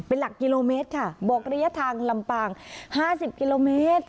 เป็นหลักกิโลเมตรค่ะบอกระยะทางลำปาง๕๐กิโลเมตร